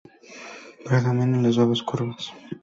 Predominan las suaves curvas.